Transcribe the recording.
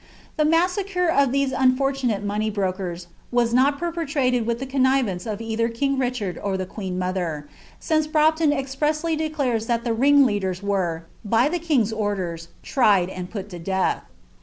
The massacre of these unfor oate money brokers was not perpetrated with the connivance of either nir Richard or the queen mother, since Brompton expressly declares It tlie ringleaders were, by the king's orders, tried and put to death.